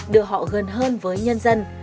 đưa họ gần hơn với nhân dân